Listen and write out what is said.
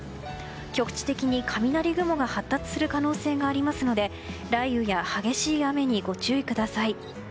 局地的に雷雲が発達する可能性がありますので雷雨や激しい雨にご注意ください。